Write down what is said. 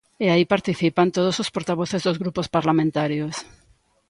E aí participan todos os portavoces dos grupos parlamentarios.